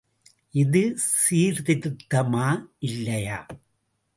இது சீர்திருத்தமா இல்லையா?